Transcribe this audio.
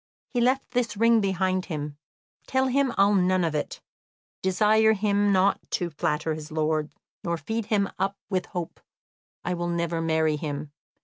"He left this ring behind him. Tell him I'll none of it. Desire him not to flatter his lord, nor feed him up with hope. I will never marry him.